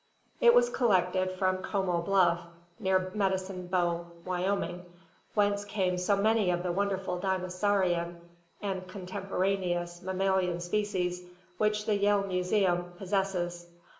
It was collected from Como Bluff, near Medicine Bow, Wyoming, whence came so many of the wonderful dinosaurian and contem poraneous mammalian specimens which the Yale Museum pos sesses.